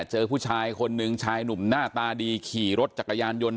เจอผู้ชายคนหนึ่งชายหนุ่มหน้าตาดีขี่รถจักรยานยนต์